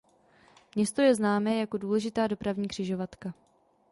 Město je známé jako důležitá dopravní křižovatka.